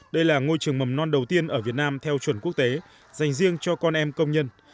đây là ngôi trường mầm non đầu tiên ở việt nam theo chuẩn quốc tế dành riêng cho con em công nhân